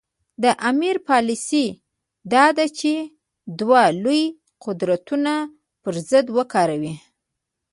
د امیر پالیسي دا ده چې دوه لوی قدرتونه پر ضد وکاروي.